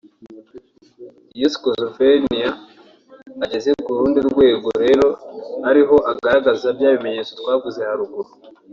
Iyo schizophrenia yageze ku rundi rwego rero ari ho agaragaza bya bimenyetso twavuze haruguru